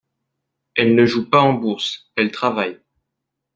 Elle ne joue pas en bourse, elle travaille.